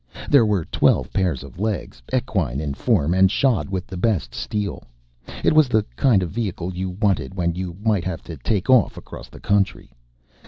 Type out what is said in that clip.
There were twelve pairs of legs, equine in form and shod with the best steel. It was the kind of vehicle you wanted when you might have to take off across the country.